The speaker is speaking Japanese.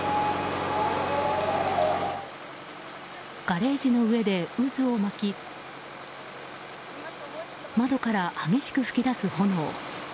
ガレージの上で渦を巻き窓から激しく噴き出す炎。